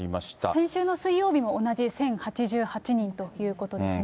先週の水曜日も同じ１０８８人ということですね。